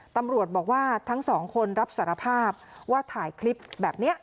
ตำรวจบอกว่าทั้งสองคนรับสารภาพว่าถ่ายคลิปแบบนี้